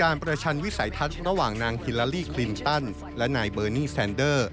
ระหว่างนางฮิลาลีคลิมตันและนายเบอร์นี่แซนเดอร์